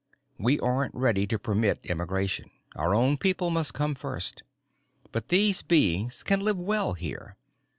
_We aren't ready to permit emigration; our own people must come first. But these beings can live well here.